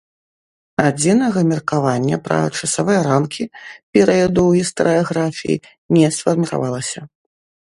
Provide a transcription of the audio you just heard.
Адзінага меркавання пра часавыя рамкі перыяду ў гістарыяграфіі не сфарміравалася.